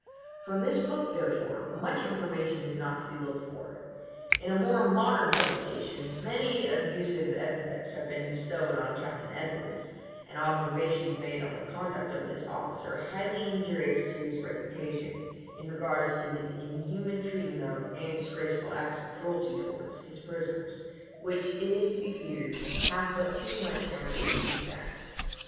From this book, therefore, much information is not to be looked for. In a more modern publication, many abusive epithets have been bestowed on Captain Edwards, and observations made on the conduct of this officer highly injurious to his reputation, in regard to his inhuman treatment of, and disgraceful acts of cruelty towards, his prisoners, which it is to be feared have but too much foundation in fact.